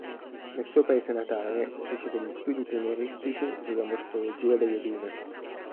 Nel suo paese natale, fece degli studi pionieristici sulla morfologia delle dune.